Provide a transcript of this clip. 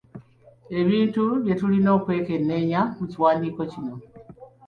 Ebintu bye tulina okwekenneenya mu kiwandiiko kino.